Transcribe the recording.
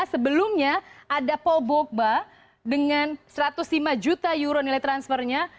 sebelumnya ada paul bokba dengan satu ratus lima juta euro nilai transfernya